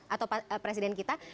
atau presiden kita